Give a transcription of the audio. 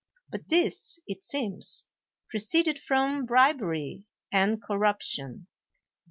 But this, it seems, proceeded from bribery and corruption.